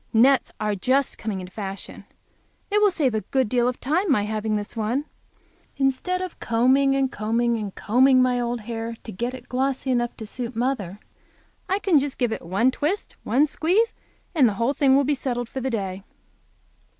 Nets are just coming into fashion. It will save a good deal of time my having this one. Instead of combing and combing and combing my old hair to get it glossy enough to suit mother, I can just give it one twist and one squeeze and the whole thing will be settled for the day.